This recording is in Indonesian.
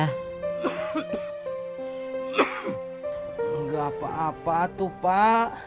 tidak apa apa tuh pak